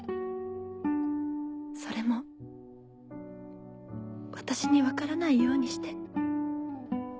それも私に分からないようにして。